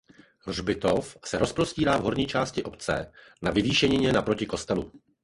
Hřbitov se rozprostírá v horní části obce na vyvýšenině naproti kostelu.